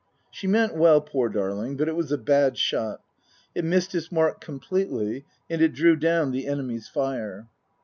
She meant well, poor darling, but it was a bad shot. It missed its mark completely, and it drew down the enemy's fire.